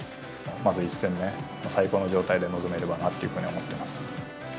まず１戦目、最高の状態で臨めればなっていうふうに思ってます。